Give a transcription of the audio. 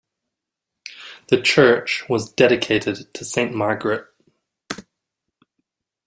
The church was dedicated to Saint Margaret.